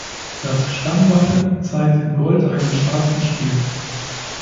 Das Stammwappen zeigt in Gold einen schwarzen Stier.